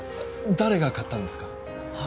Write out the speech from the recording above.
誰が買ったんですか？